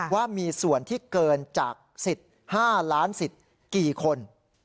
ว่ามีส่วนที่เกินจากสิทธิ์๕ล้านสิทธิ์กี่คน